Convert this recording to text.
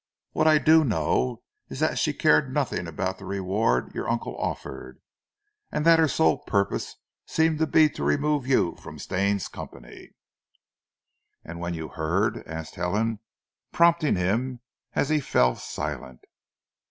What I do know is that she cared nothing about the reward your uncle offered, and that her sole purpose seemed to be to remove you from Stane's company." "And when you heard?" asked Helen prompting him as he fell silent.